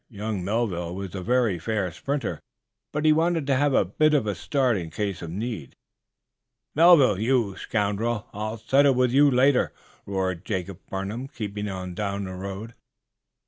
Young Melville was a very fair sprinter, but he wanted to have a bit of a start in case of need. "Melville, you young scoundrel, I'll settle with you later!" roared Jacob Farnum, keeping on down the road.